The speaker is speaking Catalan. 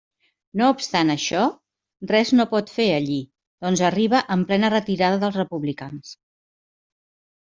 No obstant això, res no pot fer allí, doncs arriba en plena retirada dels republicans.